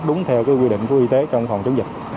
đúng theo quy định của y tế trong phòng chống dịch